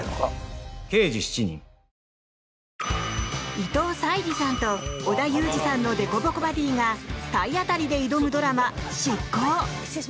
伊藤沙莉さんと織田裕二さんのでこぼこバディーが体当たりで挑むドラマ「シッコウ！！」。